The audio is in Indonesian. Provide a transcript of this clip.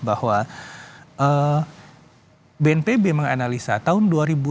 bahwa bnpb menganalisa tahun dua ribu dua puluh